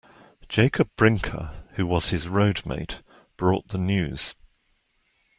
Jacob Brinker, who was his roadmate, brought the news.